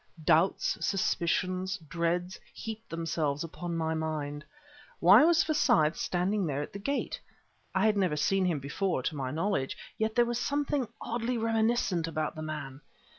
Doubts, suspicions, dreads, heaped themselves up in my mind. Why was Forsyth standing there at the gate? I had never seen him before, to my knowledge, yet there was something oddly reminiscent about the man.